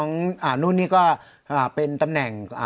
นู่นนี่ก็เป็นตำแหน่ง